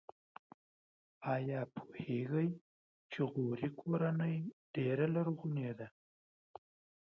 ایا پوهیږئ چې غوري کورنۍ ډېره لرغونې ده؟